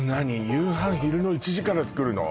夕飯昼の１時から作るの？